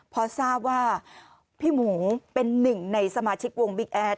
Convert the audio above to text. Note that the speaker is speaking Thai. พอทราบว่าพี่หมูเป็นหนึ่งในสมาชิกวงบิ๊กแอด